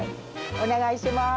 お願いします。